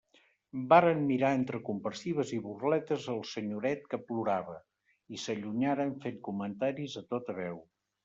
Varen mirar entre compassives i burletes el senyoret que plorava, i s'allunyaren fent comentaris a tota veu.